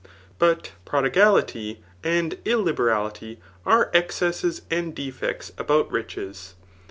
Bat prodigality and ilU^ betafity are excesses and defects about riches.